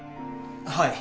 はい。